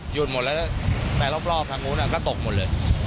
หยุดหมดแล้วแปลรอบทางโน้นก็ตกหมดเลย